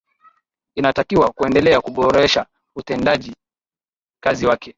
inatakiwa kuendelea kuboresha utendaji kazi wake